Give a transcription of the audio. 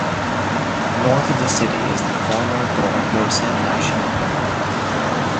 North of the city is the former Gorongosa national park.